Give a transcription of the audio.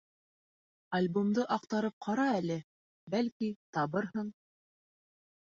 Альбомды аҡтарып ҡара әле, бәлки, табырһың.